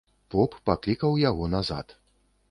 Поп паклікаў яго назад.